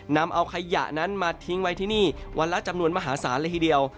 นำเอาขยะนั้นมาทิ้งไว้ที่นี่วันละจำนวนมหาศาลเลยทีเดียว